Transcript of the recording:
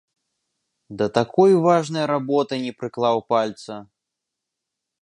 Да такой важнай работы не прыклаў пальца!